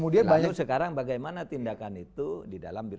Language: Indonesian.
lalu sekarang bagaimana tindakan itu di dalam bdn